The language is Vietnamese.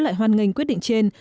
lại hoan nghênh quyết định trên